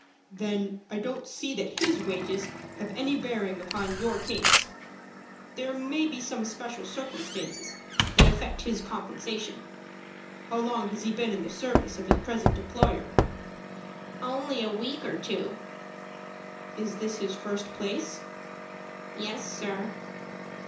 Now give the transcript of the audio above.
"Then I don't see that his wages have any bearing upon your case. There may be some special circumstances that affect his compensation. How long has he been in the service of his present employer?" "Only a week or two." "Is this his first place?" "Yes, sir."